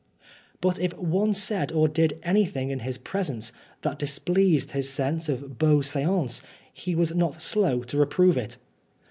But if one said or did anything in his presence that displeased his sense of bien stance, he was not slow to reprove it.